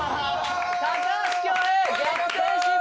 高橋恭平逆転失敗！